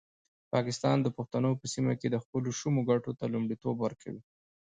پاکستان د پښتنو په سیمه کې خپلو شومو ګټو ته لومړیتوب ورکوي.